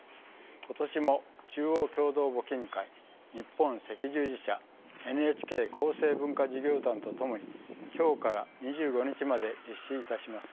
今年も中央共同募金会日本赤十字社ＮＨＫ厚生文化事業団とともに今日から２５日まで実施いたします。